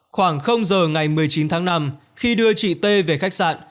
khoảng giờ ngày một mươi chín tháng năm khi đưa chị t về khách sạn